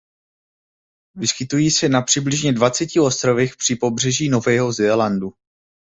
Vyskytují se na přibližně dvaceti ostrovech při pobřeží Nového Zélandu.